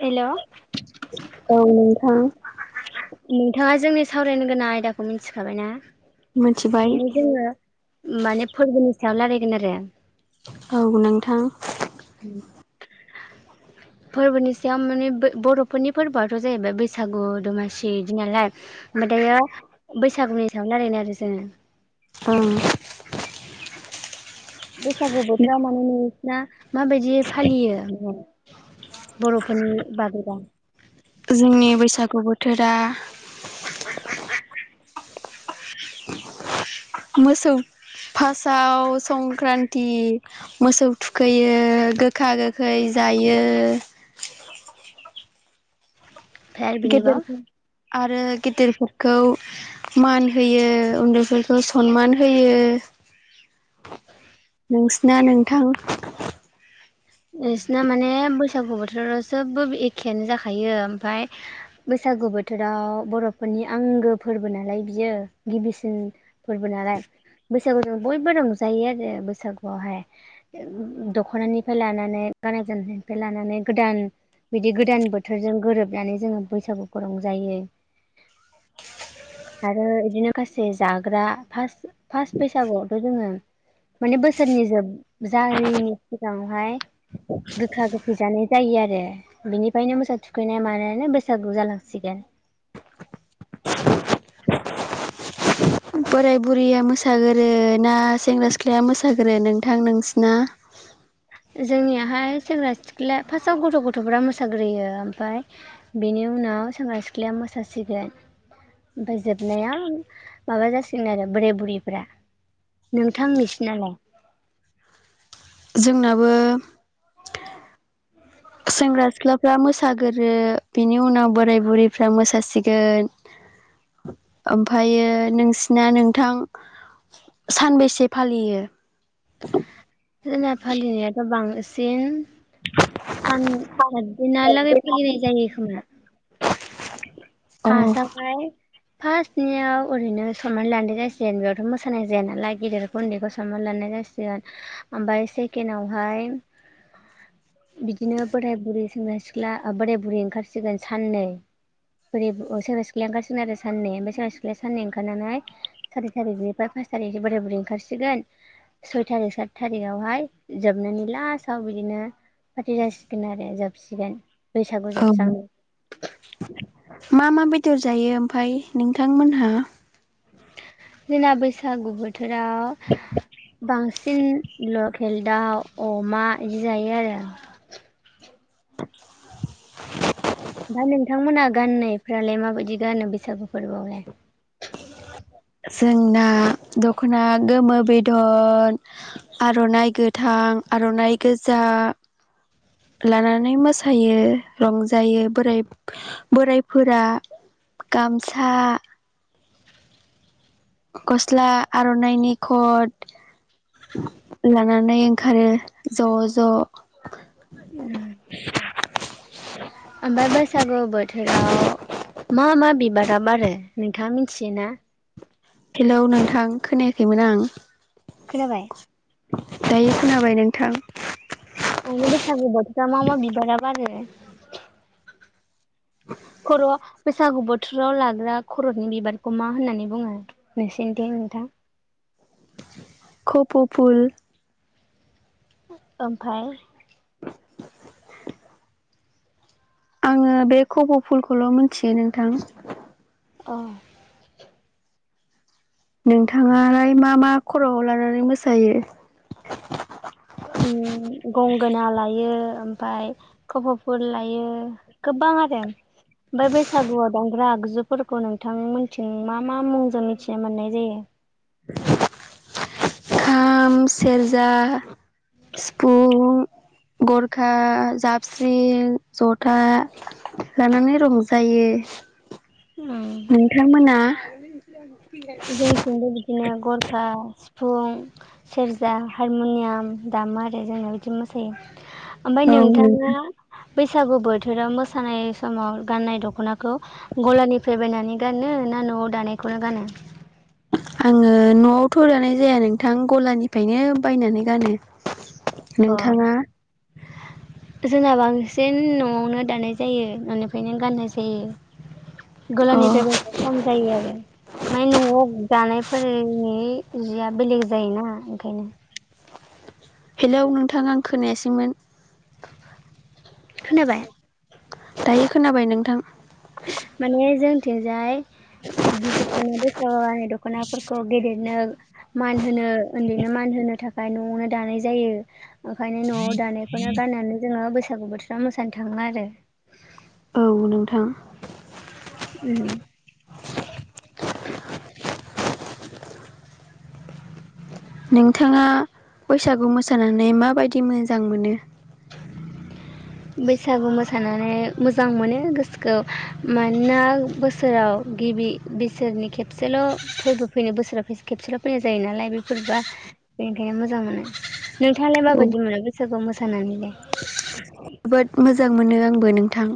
Hello औ नोंथां। नोंथाङा जोंनि सावरायनो गोनां आयदाखौ मिन्थिखाबाय ना? मिथिबाय माने जोङो माने फोरबोनि सायाव रायलायगोन आरो औ नोंथां। फोरबोनि सायाव माने बर'फोरनि फोरबोआथ' जाहैबाय बैसागु दमासि बिदि नालाय ओमफ्राय दायो बैसागुनि सायाव रायलायनो आरो जोङो। औ बैसागु बोथोराव माने [unintelligible] ना माबायदि फालियो बर'फोरनि बादैबा जोंनि बैसागु बोथोरा मोसौ फार्स्टआव संख्रान्ति मोसौ थुखैयो गोखा गोखै जायो। ओमफ्राय आरो बिनिबा गिदिरफोर आरो गिदिरफोर खौ मान होयो उनदैफोरखौ सनमान होयो। [inaudible] नोंसिना नोंथां बिसना माने बैसागु बोथोराव जोबबो एखेयानो जाखायो ओमफफ्राय बैसागु बोथोराव बर'फोरनि आंगो फोरबो नालाय बियो गिबिसिन फोरबो नालाय बैसागु जों बयबो रंजायो आरो बैसागुआवहाय दख'नानि फ्राय लानानै गानाय जोमनायनिफ्राय लानानै गोदान बिदि गोदान बोथोरजों गोरोबनानै जोङो बैसागुखौ रंजायो आरो बिदिनो खासे जाग्रा फास्ट फास्ट बैसागुआवथ' जोङो माने बोसोरनि जोब जायिनि सिगाङावहाय गोखा गोखै जानाय जायो आरो बिनिफ्रायनो मोसौ थुखैनाया मानायानो बैसागु जालांसिगोन बोराय बुरिया मोसागोरो ना सेंग्रा सिख्लाया मोसागोरो नोंथां नोंसिना जोंनियाहाय सेंग्रा सिख्ल फार्स्टआव गथ' गथ'फ्रा मोसाग्रोयो ओमफ्राय बेनि उनाव सेंग्रा सिख्लाया मोसासिगोन ओफ्राय जोबनायाव माबा जासिगोन आरो बोराय बुरैफ्रा नोंथां नोंसिनालाय? जोंनाबो सेंग्रा सिख्लाफ्रा मोसागोरो बिनि उनाव बोराय बुरैफ्रा मोसासिगोन ओमफ्रायो नोंसिना नोंथां सानबेसे फालियो। जोंना फालिनायाथ' बांसिन सान साददिनालागै फालिनाय जायो खोमा औ फासआवहाय फार्स्टनियाव ओरैनो सनमान लानाय जासिगोन बेयावथ' मोसानाय जाया नालाय गिदेरखौ उनदैखौ सनमान लानाय जासिगोन। ओमफ्राय सेकेडआवहाय बिदिनो बोराय बुरै सेंग्रा सिख्ला बोराय बुरै ओंखारसिगोन साननै बोर सेंग्रा सिख्लाया ओंखारसिगोन आरो साननै ओमफ्राय सेंग्रा सिख्लाया साननै ओंखारनानै सारि थारिखनिफ्राय फास थारिख बोराय बुरै ओंखारसिगोन सय थारिख सा थारिखावहाय जोबनानै लास्टाव बिदिनो फार्टि जासिगोन आरो जोबसिगोन। बैसागु औ जोबस्रां मा मा बेदर जायो ओमफ्राय नोंथांमोनहा? जोंना बैसागु बो थोराव बांसिन ल केल दाव अमा इदि जायो आरो। [inaudible] दा नोंथांमोनहा गाननायफ्रालाय माबायदि गानो बैसागु फोरबोआव लाय? [inaudible] जोंना दख'ना गोमो बेदन आर'नाइ गोथां आर'नाइ गोजा लानानै मोसायो रंजायो बोराइ बोराइफोरा गामसा गस्ला आर'नाइनि खद लानानै ओंखारो ज' ज' ओमफ्राय बैसागु बोथोराव मा मा बिबाराब आरो नोंथाङा मिनथियो ना? हेलौ नोंथां खोनायाखैमोन आं। खोनाबाय। दायो खोनाबाय नोंथां। ओरैनो बैसागु बोथोराव मा मा बिबारा बारो? खर' बैसागु बोथोराव लाग्रा खर'नि बिबारखौ मा होननानै बुङो नोंसोरनिथिं नोंथां? खप'फुल ओमफ्राय। आङो बे खप' फुलखौल' मिथियो नोंथां। अ नोंथाङालाय मा मा खर'आव लानानै मोसायो। उम गंगोना लायो ओमफ्राय खफ'फुल लायो गोबां आरो। ओमफ्राय बैसागुयाव दामग्रा आग जुफोरखौ नोंथां मोनथिं मा मा मुंजों मिथिनो मोननाय जायो। [inaudible] खाम सेरजा सिफुं गरखा जाबस्रिं जथा लानानै रंजायो। नोंथांमोना [unintelligible] जोंथिंबो बिदिनो गरखा बुं सेरजा हारमनियाम दामा आरो जोंना बिदि मोसायो। ओमफ्राय औ नोंथाङा नोंथां बैसागु बोथोराव मोसानाय समाव गाननाय दख'नाखौ गलानिफ्राय बायनानै गानो ना न'आव दानायखौनो गानो। आङो न'आव थ' दानाय जाया नोंथां गलानिफ्रायनो बायनानै गानो। नोंथाङा जोंहा बांसिन न'आवनो दानाय जायो न'निफ्रायनो गाननाय जायो। अ गलानिफ्राय बायनाय खम जायो आरो। माय न'आव दानायफोरनि जिया बेलेग जायोना ओंखायनो। हेलौ नोंथां आं खोनायासैमोन। खोनाबाय [inaudible] दायो खोनाबाय नोंथां। माने जों थिंजाय इदि दखना [unintelligible] दखनाफोरखौ गेदेरनो मान होनो ओन्दैनो मान होनो था खाय न'आवनो दानाय जायो। ओंखायनो न'आव दानायखौनो गाननानै जोङो बै सागु बोथोरा मोसानो थाङो आरो। औ नोंथां। उम नोंथाङा बैसागु मोसानानै माबायदि मोजां मोनो? बैसागु मोसानानै मोजां मोनो गोसोखौ मानोना बोसोराव गिबि बिसोरनि खेबसेल' फोरबो फैनो बोसोराव खेबसेल' फैनाय जायो नालाय बे फोरबोआ बेनिखायनो मोजां मोनो। नोंथाङालाय औ माबायदि मोनो बैसागु मोसानानैलाय? जोबोद मोजां मोनो आंबो नों थां।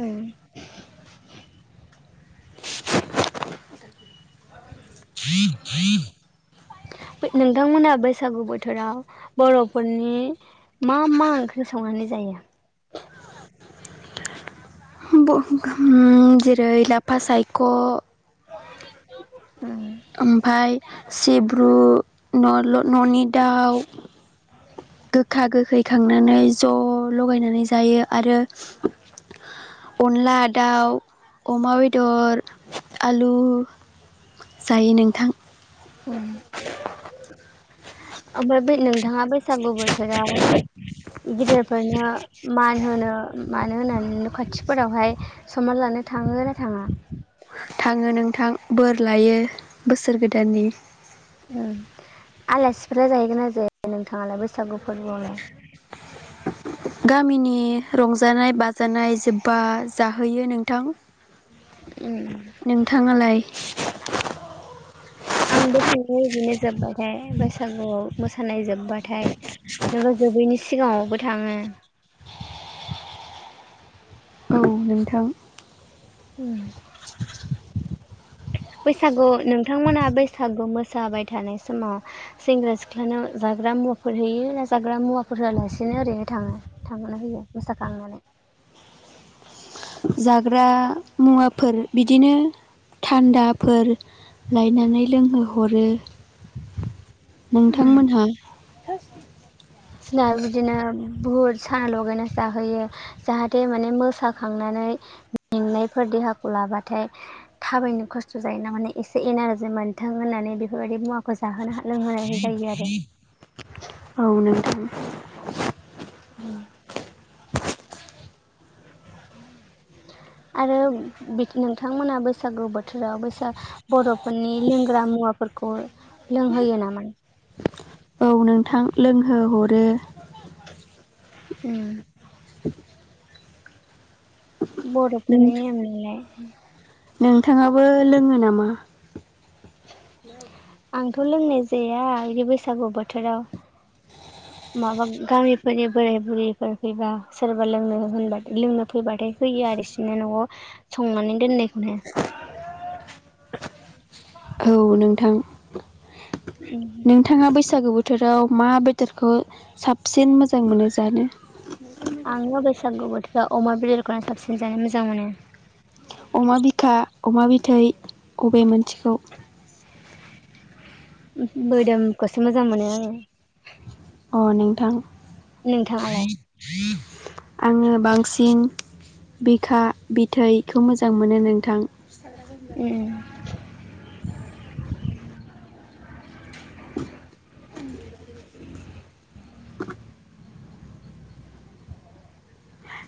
उम बै नोंथांमोना बैसागु बोथोराव बर'फोरनि मा मा ओंख्रि संनानै जायो? उम जेरै लाफा सायख' ओमफाय सिब्रु नल' न'नि दाउ गोखा गोखै खांनानै ज' लगायनानै जायो आरो अनला दाउ अमा बेदर आलु जायो नोंथां। ओमफ्राय [inaudible] ओमफाय बै नोंथाङा बैसागु बोथोराव गिदिरफोरनो मा न होनो मानो होननानै न'खाथिफोरावहाय सनमान लानो थाङो ना थाङा? थाङो नोंथां बोर लायो बोसोर गोदाननि। ओं आलासिफोरा जाहैगोन ना‌ जाहैया नोंथाङालाय बै सागु फोरबोआवलाय गामिनि रंजानाय बाजानाय जोब्बा जाहोयो नोंथां। नोंथाङालाय? [inaudible] आंबो थाङो इदिनो जोब्बाथाय बैसागुआव मोसानाय जोब्बाथाय [unintelligible] जोबैनि सिगाङावबो थाङो। औ नोंथां। उम। बैसागु नोंथांमोनहा बैसागु मोसाबाय थानाय समाव सेंग्रा सिख्लानाव जाग्रा मुवाफोर होयो ना जाग्रा मुवाफोर होआलासिनो ओरैनो थाङो थांनो होयो मोसाखांनानै? जाग्रा मुवाफोर बिदिनो थान्दाफोर लायनानै लोंहोहरो नोंथांमोनहा थोस सिना बिदिनो बुत साना लगायनासो जाहोयो जाहाथे माने मोसाखांनानै मेंनायफोर देहाखौ लाबाथाय थाबायनो खस्थ' जायो ना माने एसे एनारजि मोनथों होननानै बेफोरबायदि मुवाखौ जाहोनो हा [unintelligible] औ नोंथां [inaudible] आरो बिख नोंथांमोना बैसागु बोथोराव बोसा बर'फोरनि लोंग्रा मुवाफोरखौ लोंहोयो नामा औ नोंथां लोंहोहरो उम नों बर'फोरनि नेम नालाय [unintelligible] नोंथाङाबो लोङो नामा आंथ' लोंनाय जाया बिदि बैसागु बोथोराव माबा गामिफोरनि बोराय बुरैफोर फैबा सोरबा लोंनो होनबाथाय लोंनो फैबाथाय होयो बिसोरनो न'आव संनानै दोननायखौनो औ नोंथां नोंथाङा बैसागो बो थोराव मा बेदरखौ साबसिन मोजां मोनो जानो आं [unintelligible] सागु बोथोरा अमा बेदरखौनो साबसिन जानो मोजां मोनो अमा बिखा अमा बिथै अबे मोनसेखौ बोदोम खौसो मोजां मोनो आङो अ नोंथां नोंथाङालाय आङो बांसिन बिखा बिथैखो मोजां मोनो नोंथां [unintelligible] [inaudible]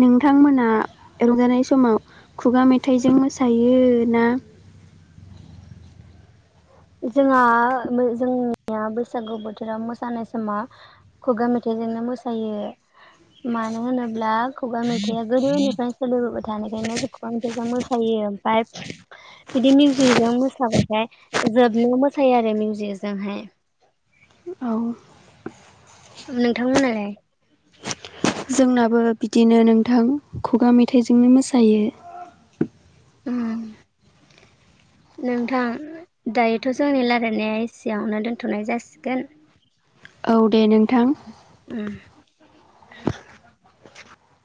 नोंथांमोना रंजानाय समाव खुगा मेथाइजों मोसायो ओना जोंहा मो जोंनिया बैसागु बोथोराव मोसानाय समाव खुगा मेथाइजोंनो मोसायो मानो होनोब्ला खुगा मेथाइआ गोदोनिफ्रायनो सोलिबोबाय थानायखायनो जों खुगा मेथाइजों मोसायो ओमफ्राय बिदि मिउजिजों मोसाबाथाय जोबनो मोसायो आरो मिउजिजोंहाय औ नोंथांमोनालाय जोंनाबो बिदिनो नोंथां खुगा मेथाइजोंनो मोसायो उम नोंथां दायोथ' जोंनि रालायनायस एसेयावनो दोनथ'नाय जासिगोन औ दे नोंथां उम [inaudible]